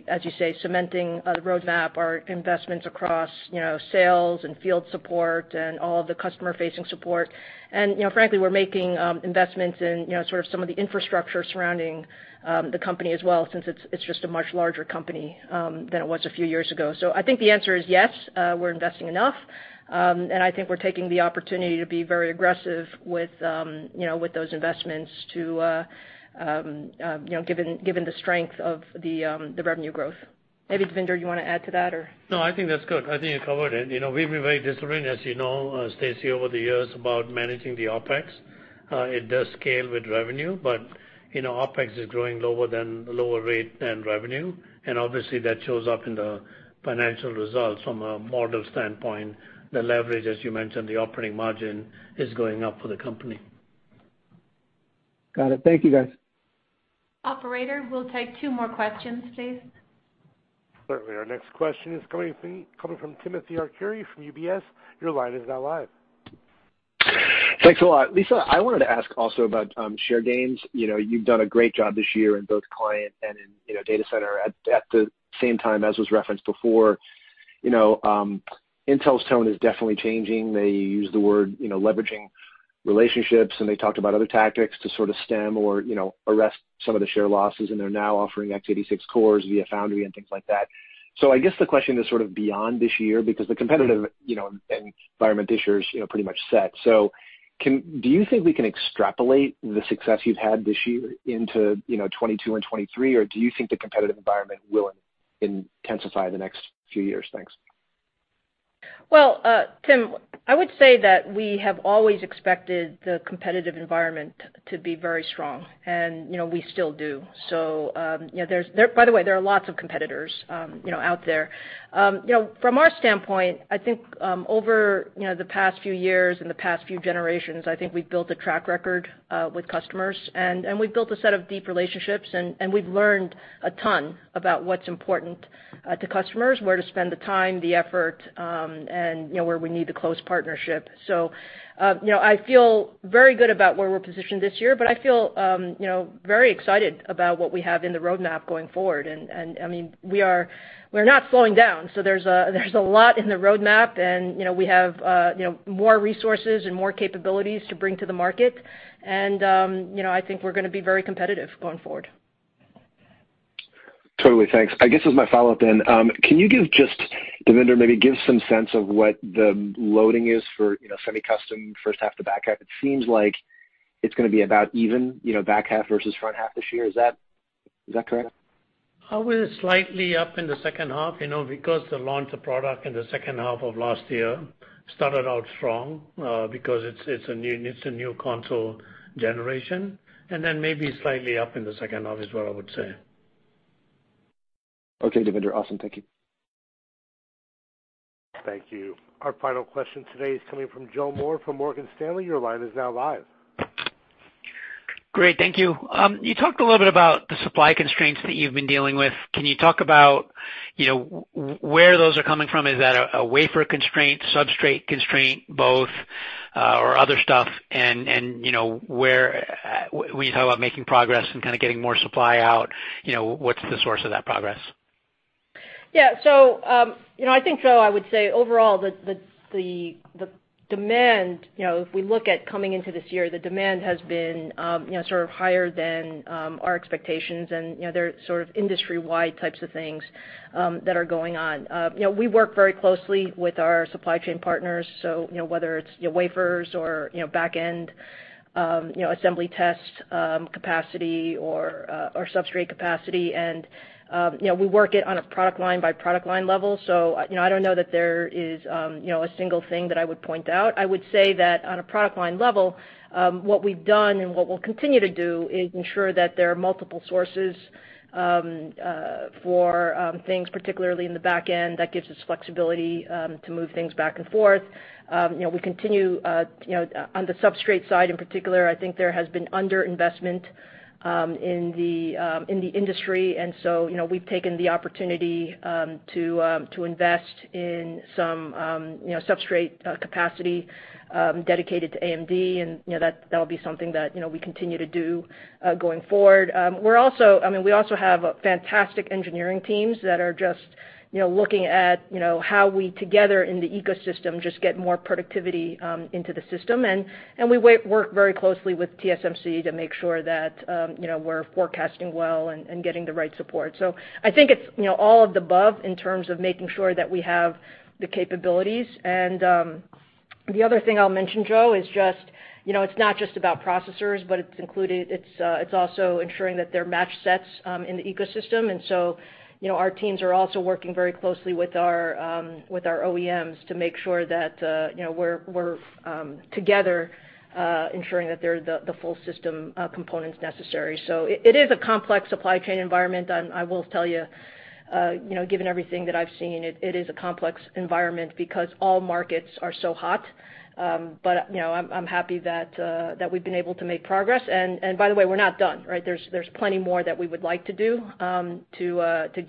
as you say, cementing the roadmap, our investments across sales and field support and all of the customer-facing support. Frankly, we're making investments in sort of some of the infrastructure surrounding the company as well, since it's just a much larger company than it was a few years ago. I think the answer is yes, we're investing enough. I think we're taking the opportunity to be very aggressive with those investments given the strength of the revenue growth. Maybe, Devinder, you want to add to that or?
I think that's good. I think you covered it. We've been very disciplined, as you know, Stacy, over the years about managing the OpEx. It does scale with revenue. OpEx is growing lower rate than revenue, and obviously, that shows up in the financial results from a model standpoint. The leverage, as you mentioned, the operating margin is going up for the company.
Got it. Thank you, guys.
Operator, we'll take two more questions, please.
Certainly. Our next question is coming from Timothy Arcuri from UBS. Your line is now live.
Thanks a lot. Lisa, I wanted to ask also about share gains. You've done a great job this year in both client and in data center. At the same time, as was referenced before, Intel's tone is definitely changing. They use the word leveraging relationships, and they talked about other tactics to sort of stem or arrest some of the share losses, and they're now offering x86 cores via foundry and things like that. I guess the question is sort of beyond this year, because the competitive environment this year is pretty much set. Do you think we can extrapolate the success you've had this year into 2022 and 2023, or do you think the competitive environment will intensify the next few years? Thanks.
Well, Tim, I would say that we have always expected the competitive environment to be very strong, and we still do. By the way, there are lots of competitors out there. From our standpoint, I think over the past few years and the past few generations, I think we've built a track record with customers, and we've built a set of deep relationships, and we've learned a ton about what's important to customers, where to spend the time, the effort, and where we need the close partnership. I feel very good about where we're positioned this year, but I feel very excited about what we have in the roadmap going forward. We're not slowing down. There's a lot in the roadmap, and we have more resources and more capabilities to bring to the market. I think we're going to be very competitive going forward.
Totally. Thanks. I guess as my follow-up then, can you give just, Devinder, maybe give some sense of what the loading is for semi-custom first half to back half? It seems like it's going to be about even back half versus front half this year. Is that correct?
I will slightly up in the second half, because the launch of product in the second half of last year started out strong because it's a new console generation, and then maybe slightly up in the second half is what I would say.
Okay, Devinder. Awesome. Thank you.
Thank you. Our final question today is coming from Joe Moore from Morgan Stanley. Your line is now live.
Great. Thank you. You talked a little bit about the supply constraints that you've been dealing with. Can you talk about where those are coming from? Is that a wafer constraint, substrate constraint, both, or other stuff? When you talk about making progress and kind of getting more supply out, what's the source of that progress?
I think, Joe Moore, I would say overall, the demand, if we look at coming into this year, the demand has been sort of higher than our expectations, and they're sort of industry-wide types of things that are going on. We work very closely with our supply chain partners, so whether it's wafers or back-end assembly test capacity or substrate capacity, and we work it on a product line by product line level. I don't know that there is a single thing that I would point out. I would say that on a product line level, what we've done and what we'll continue to do is ensure that there are multiple sources for things, particularly in the back end, that gives us flexibility to move things back and forth. We continue on the substrate side in particular, I think there has been under-investment in the industry. We've taken the opportunity to invest in some substrate capacity dedicated to AMD, and that'll be something that we continue to do going forward. We also have fantastic engineering teams that are just looking at how we, together in the ecosystem, just get more productivity into the system. We work very closely with TSMC to make sure that we're forecasting well and getting the right support. I think it's all of the above in terms of making sure that we have the capabilities. The other thing I'll mention, Joe, is just it's not just about processors, but it's also ensuring that they're matched sets in the ecosystem. Our teams are also working very closely with our OEMs to make sure that we're together ensuring that they're the full system components necessary. It is a complex supply chain environment. I will tell you, given everything that I've seen, it is a complex environment because all markets are so hot. I'm happy that we've been able to make progress. By the way, we're not done, right? There's plenty more that we would like to do to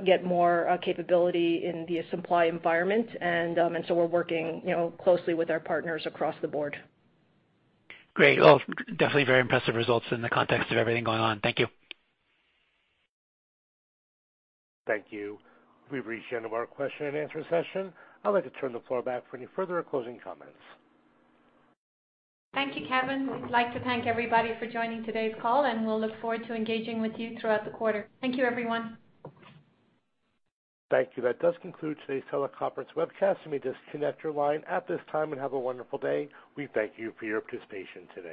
get more capability in the supply environment. We're working closely with our partners across the board.
Great. Well, definitely very impressive results in the context of everything going on. Thank you.
Thank you. We've reached the end of our question-and-answer session. I'd like to turn the floor back for any further closing comments.
Thank you, Kevin. We'd like to thank everybody for joining today's call, and we'll look forward to engaging with you throughout the quarter. Thank you, everyone.
Thank you. That does conclude today's teleconference webcast. You may disconnect your line at this time, and have a wonderful day. We thank you for your participation today.